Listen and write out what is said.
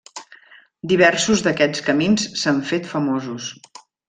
Diversos d'aquests camins s'han fet famosos.